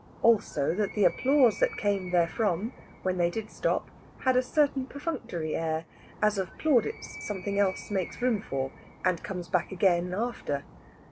Also that the applause that came therefrom, when they did stop, had a certain perfunctory air, as of plaudits something else makes room for, and comes back again after.